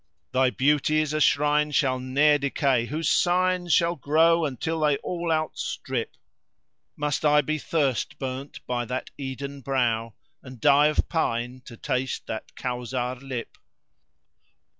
Thy beauty is a shrine shall ne'er decay; * Whose signs shall grow until they all outstrip; [FN#467] Must I be thirst burnt by that Eden brow * And die of pine to taste that Kausar lip?"